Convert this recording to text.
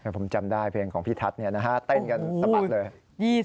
ผมจำได้เพลงของพี่ทัศน์เนี่ยนะฮะเต้นกันสมัครเลย